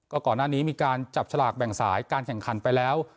ก่อนหน้านี้มีการจับฉลากแบ่งสายการแข่งขันไปแล้ว